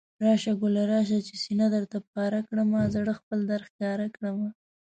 راشه ګلي راشه، چې سينه درته پاره کړمه، زړه خپل درښکاره کړمه